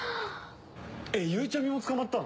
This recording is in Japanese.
え、ゆうちゃみも捕まったの？